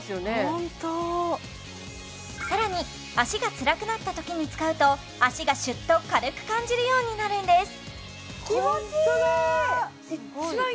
ホントさらに脚がつらくなった時に使うと脚がシュッと軽く感じるようになるんです